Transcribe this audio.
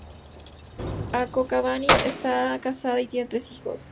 Al-Kokabany está casada y tiene tres hijos.